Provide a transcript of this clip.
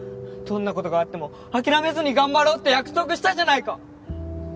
どんな事があっても諦めずに頑張ろうって約束したじゃないか！